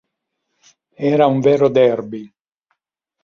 Era un vero derby.